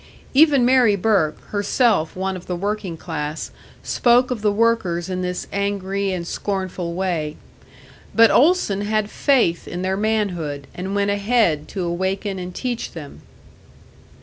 Even Mary Burke, herself one of the working class, spoke of the workers in this angry and scornful way. But Olson had faith in their manhood, and went ahead to awaken and teach them.